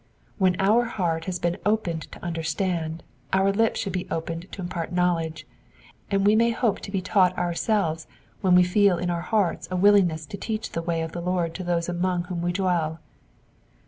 When our heart has been opened to understand, our lips should be opened to impait knowledge ; and we may hope to be taught ourselves when we feel in our hearts a willingness to teach the way of the Lord to those among whom we dwell.